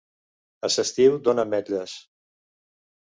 A s'estiu dona ametlles